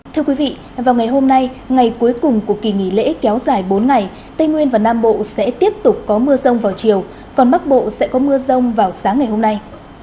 thưa quý vị vào ngày hôm nay ngày cuối cùng của kỳ nghỉ lễ kéo dài bốn ngày tây nguyên và nam bộ sẽ tiếp tục có mưa rông vào chiều còn bắc bộ sẽ có mưa rông vào sáng ngày hôm nay